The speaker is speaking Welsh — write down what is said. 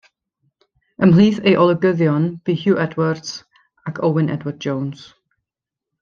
Ymhlith ei olygyddion bu Hugh Edwards ac Owen Edward Jones.